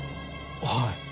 はい。